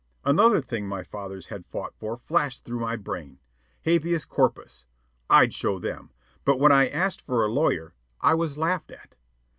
Another thing my fathers had fought for flashed through my brain habeas corpus. I'd show them. But when I asked for a lawyer, I was laughed at.